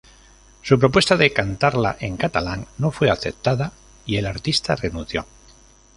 Su propuesta de cantarla en catalán no fue aceptada y el artista renunció.